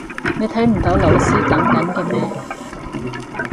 你睇唔到老師等緊嘅咩？